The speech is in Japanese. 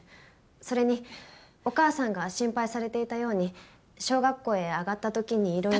それにお母さんが心配されていたように小学校へ上がった時にいろいろ。